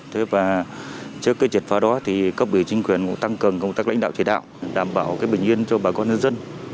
trước triệt phá đó cấp bỉ chính quyền tăng cường công tác lãnh đạo chỉ đạo đảm bảo bình yên cho bà con nhân dân